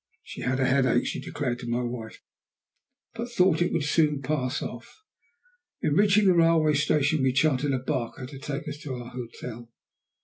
She had a headache, she declared to my wife, but thought it would soon pass off. On reaching the railway station we chartered a barca to take us to our hotel.